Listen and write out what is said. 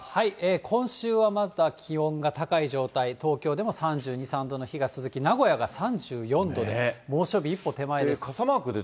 今週はまだ気温が高い状態、東京でも３２、３度の日が続き、名古屋が３４度で、猛暑日一歩手前です。